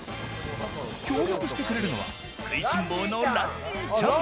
協力してくれるのは、食いしん坊のランディちゃん。